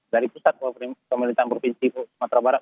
dari pusat pemerintahan provinsi sumatera barat